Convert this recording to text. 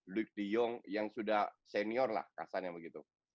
luik de jong yang sudah senior lah kasarnya begitu